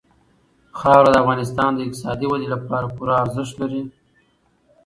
خاوره د افغانستان د اقتصادي ودې لپاره پوره ارزښت لري.